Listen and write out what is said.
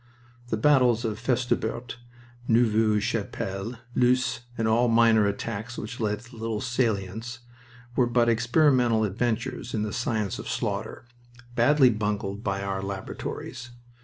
The battles of Festubert, Neuve Chapelle, Loos, and all minor attacks which led to little salients, were but experimental adventures in the science of slaughter, badly bungled in our laboratories.